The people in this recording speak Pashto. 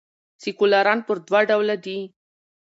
سیکولران پر دوه ډوله دي.